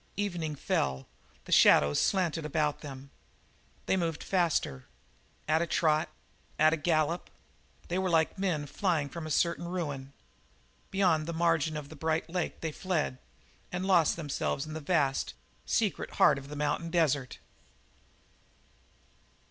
Evening fell; the shadows slanted about them. They moved faster at a trot at a gallop. They were like men flying from a certain ruin. Beyond the margin of the bright lake they fled and lost themselves in the vast, secret heart of the mountain desert.